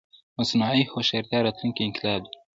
مصنوعي هوښيارتيا راتلونکې انقلاب دی